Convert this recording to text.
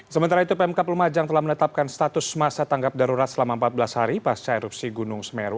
sementara itu pmk lumajang telah menetapkan status masa tanggap darurat selama empat belas hari pasca erupsi gunung semeru